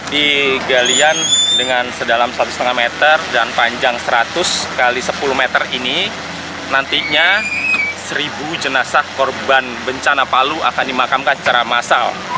di galian dengan sedalam satu lima meter dan panjang seratus x sepuluh meter ini nantinya seribu jenazah korban bencana palu akan dimakamkan secara massal